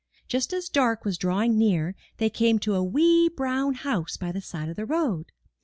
Just as dark was drawing near, they came to a wee, brown house by the side of the road.